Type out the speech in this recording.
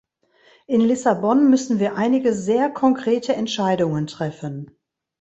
In Lissabon müssen wir einige sehr konkrete Entscheidungen treffen.